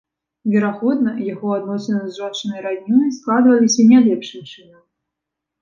Верагодна яго адносіны з жончынай раднёй складваліся нялепшым чынам.